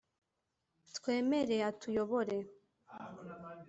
twemere atuyobore!